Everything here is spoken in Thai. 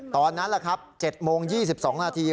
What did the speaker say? ตอนนั้นล่ะครับ๗โมง๒๒นาที